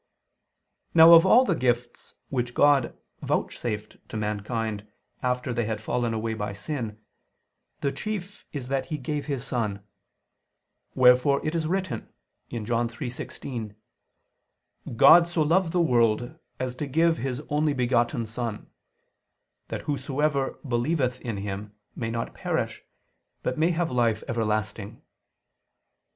Now of all the gifts which God vouchsafed to mankind after they had fallen away by sin, the chief is that He gave His Son; wherefore it is written (John 3:16): "God so loved the world, as to give His only begotten Son; that whosoever believeth in Him, may not perish, but may have life everlasting."